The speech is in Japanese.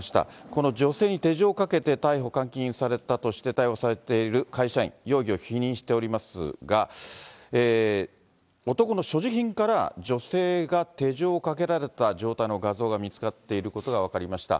この女性に手錠をかけて逮捕・監禁されたとして逮捕されている会社員、容疑を否認しておりますが、男の所持品から女性が手錠をかけられた状態の画像が見つかっていることが分かりました。